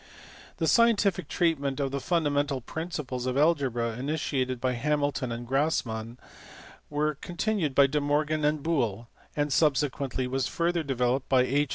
The scientific treatment of the fundamental principles of algebra initiated by Hamilton and Grassman, was con tinued by De Morgan and Boole, and subsequently was further developed by H.